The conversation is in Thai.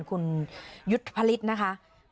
คุณยุทธพลิษฐนาธิบาลนะที่นี่นะคะ